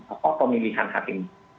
atau pemilihan hati